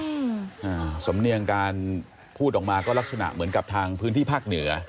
อ่าสำเนียงการพูดออกมาก็ลักษณะเหมือนกับทางพื้นที่ภาคเหนือ